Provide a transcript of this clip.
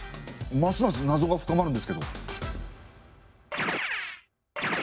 ますますなぞが深まるんですけど。